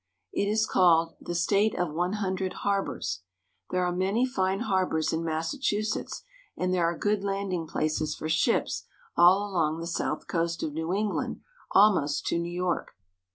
It is called the " State of One Hundred Har bors." There are many fine harbors in Massachusetts, and there are good landing places for ships all along the south coast of New England almost to New York.